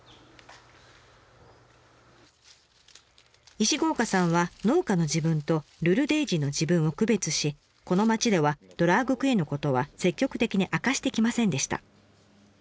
石郷岡さんは農家の自分とルルデイジーの自分を区別しこの町ではドラァグクイーンのことは積極的に明かしてきませんでした。